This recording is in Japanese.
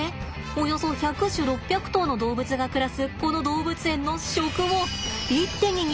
およそ１００種６００頭の動物が暮らすこの動物園の食を一手に担う台所があるんだって！